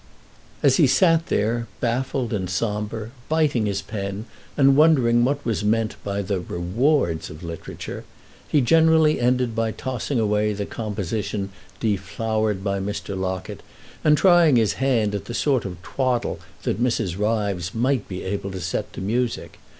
As he sat there, baffled and sombre, biting his pen and wondering what was meant by the "rewards" of literature, he generally ended by tossing away the composition deflowered by Mr. Locket and trying his hand at the sort of twaddle that Mrs. Ryves might be able to set to music.